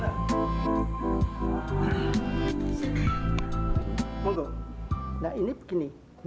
munggo ini begini